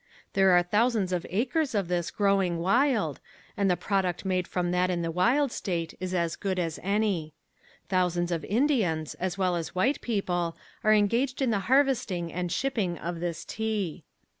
There are thousands of acres of this growing wild and the product made from that in the wild state is as good as any. Thousands of Indians, as well as white people, are engaged in the harvesting and shipping of this tea.